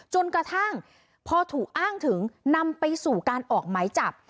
จนกระทั่งพอถูกอ้างถึงนำไปสู่การออกหมายจับ